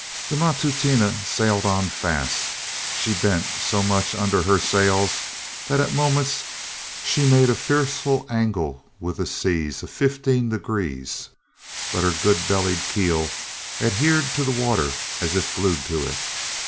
The Matutina sailed on fast; she bent so much under her sails that at moments she made a fearful angle with the sea of fifteen degrees; but her good bellied keel adhered to the water as if glued to it.